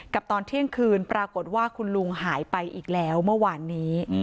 ตอนเที่ยงคืนปรากฏว่าคุณลุงหายไปอีกแล้วเมื่อวานนี้